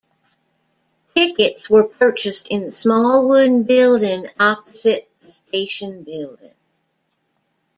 Tickets were purchased in the small wooden building opposite the station building.